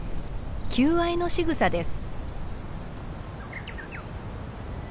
求愛のしぐさです。